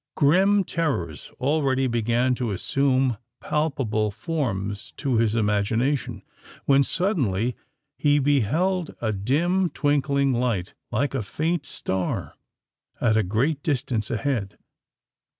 Grim terrors already began to assume palpable forms to his imagination, when suddenly he beheld a dim twinkling light, like a faint star, at a great distance a head.